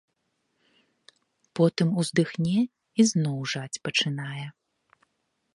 Потым уздыхне і зноў жаць пачынае.